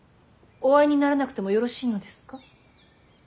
お会いにならなくてもよろしいのですか。